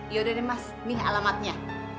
yaudah deh mas nih alamatnya